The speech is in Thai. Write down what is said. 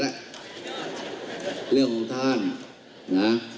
เรื่องของท่านนะ